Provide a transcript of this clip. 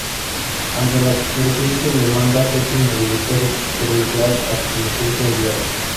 Ante la creciente demanda, "Pepín" modificó su periodicidad hasta convertirse en diario.